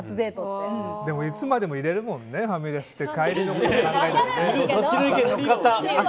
でも、いつまでもいれるもんねファミレスって。